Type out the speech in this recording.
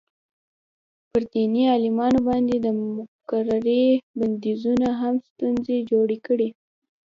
پر دیني عالمانو باندې د مقررې بندیزونو هم ستونزې جوړې کړې.